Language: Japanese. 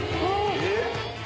えっ。